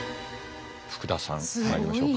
福田さんまいりましょうか。